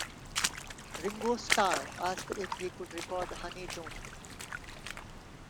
Ringo Starr asked if he could record "Honey Don't".